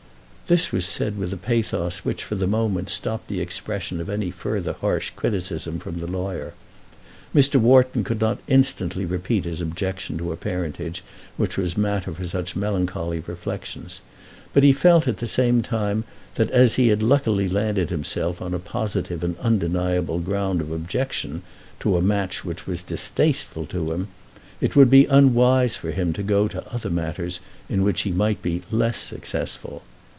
This was said with a pathos which for the moment stopped the expression of any further harsh criticism from the lawyer. Mr. Wharton could not instantly repeat his objection to a parentage which was matter for such melancholy reflections; but he felt at the same time that as he had luckily landed himself on a positive and undeniable ground of objection to a match which was distasteful to him, it would be unwise for him to go to other matters in which he might be less successful.